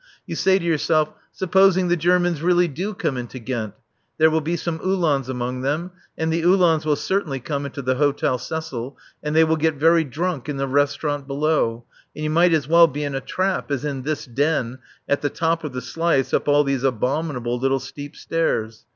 You say to yourself: Supposing the Germans really do come into Ghent; there will be some Uhlans among them; and the Uhlans will certainly come into the Hôtel Cecil, and they will get very drunk in the restaurant below; and you might as well be in a trap as in this den at the top of the slice up all these abominable little steep stairs.